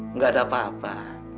enggak ada apa apa